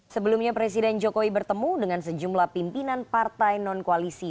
sebelumnya presiden jokowi bertemu dengan sejumlah pimpinan partai non koalisi